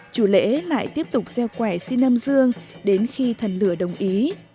chủ lễ lại tiếp tục gieo quẻ xi nâm dương đến khi thần lửa đồng ý